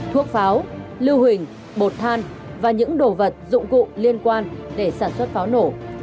thuốc pháo lưu hình bột than và những đồ vật dụng cụ liên quan để sản xuất pháo nổ